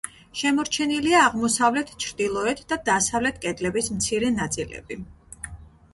შემორჩენილია აღმოსავლეთ, ჩრდილოეთ და დასავლეთ კედლების მცირე ნაწილები.